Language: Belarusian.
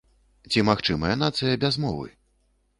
Ці магчымая нацыя без мовы?